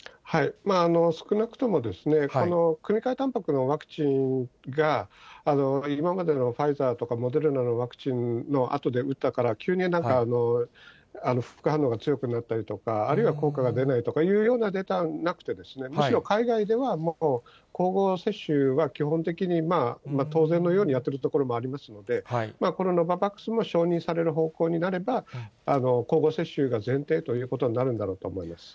少なくとも、この組み換えたんぱくのワクチンが、今までのファイザーとかモデルナのワクチンで打ったから急に副反応が強くなったりとか、あるいは効果が出ないとかいうようなことではなくて、むしろ海外では、もう交互接種は基本的に、当然のようにやっているところもありますので、このノババックスも承認される方向になれば、交互接種が前提ということになるんだろうと思います。